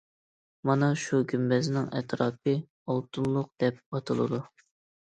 مانا شۇ گۈمبەزنىڭ ئەتراپى« ئالتۇنلۇق» دەپ ئاتىلىدۇ.